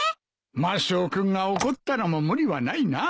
マスオ君が怒ったのも無理はないな。